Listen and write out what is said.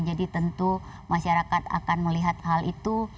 jadi tentu masyarakat akan melihat hal itu